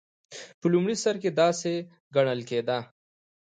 په لومړي سر کې داسې ګڼل کېده.